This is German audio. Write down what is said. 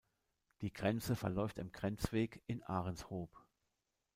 Die Grenze verläuft am "Grenzweg" in Ahrenshoop.